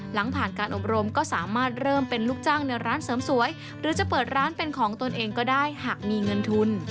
หลังผ่านการอบรมก็สามารถเริ่มเป็นลูกจ้างในร้านเสริมสวยหรือจะเปิดร้านเป็นของตนเองก็ได้หากมีเงินทุน